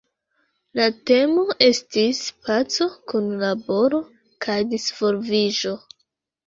La temo estis "Paco, Kunlaboro kaj Disvolviĝo".